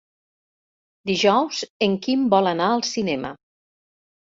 Dijous en Quim vol anar al cinema.